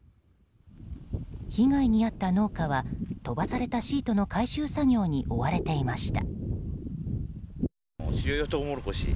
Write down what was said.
被害に遭った農家は飛ばされたシートの回収作業に追われていました。